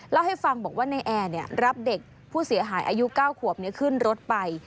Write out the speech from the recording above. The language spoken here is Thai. เล่าให้ฟังบอกว่าในแอร์รับเด็กผู้เสียหายอายุ๙ขวบขึ้นรถไป